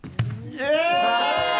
イエーイ！